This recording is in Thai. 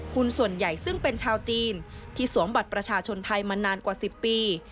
ส่วนใหญ่ซึ่งเป็นชาวจีนที่สวมบัตรประชาชนไทยมานานกว่า๑๐ปี